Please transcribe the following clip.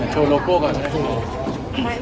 โชว์โลโก้ก่อน